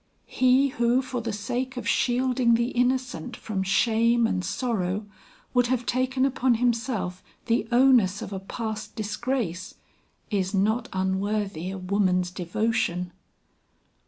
He who for the sake of shielding the innocent from shame and sorrow, would have taken upon himself the onus of a past disgrace, is not unworthy a woman's devotion."